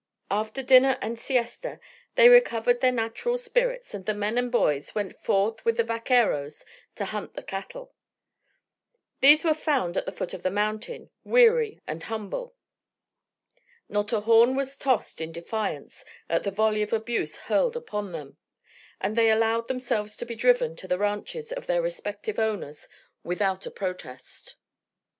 After dinner and siesta they recovered their natural spirits, and the men and boys went forth with the vaqueros to hunt the cattle. These were found at the foot of the mountain, weary and humble. Not a horn was tossed in defiance at the volley of abuse hurled upon them, and they allowed themselves to be driven to the ranches of their respective owners without a protest.